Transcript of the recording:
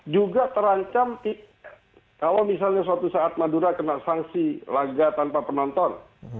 juga terancam kalau misalnya suatu saat madura kena sanksi laga tanpa penonton